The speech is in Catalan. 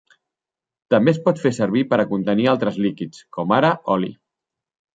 També es pot fer servir per a contenir altres líquids, com ara oli.